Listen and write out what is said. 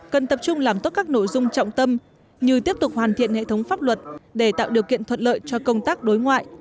cần tập trung làm tốt các nội dung trọng tâm như tiếp tục hoàn thiện hệ thống pháp luật để tạo điều kiện thuận lợi cho công tác đối ngoại